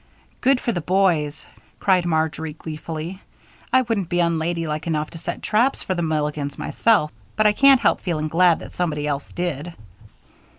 "Good for the boys!" cried Marjory, gleefully. "I wouldn't be unladylike enough to set traps for the Milligans myself, but I can't help feeling glad that somebody else did."